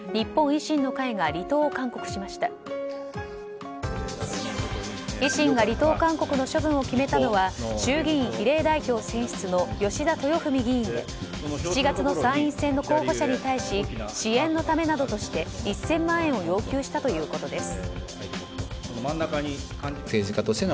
維新が離党勧告の処分を決めたのは衆議院比例代表選出の吉田豊史議員で７月の参院選の候補者に対し支援のためなどとして１０００万円を要求したということです。